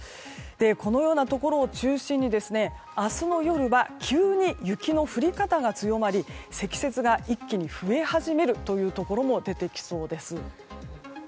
このようなところを中心に明日の夜は急に雪の降り方が強まり積雪が一気に増え始めるというところも出てきそうです。